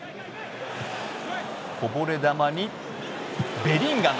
こぼれ球にベリンガム。